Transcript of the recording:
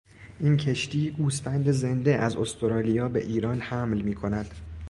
این کشتی گوسفند زنده از استرالیا به ایران حمل میکند.